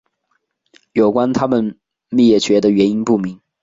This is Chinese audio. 有关它们灭绝的原因不明。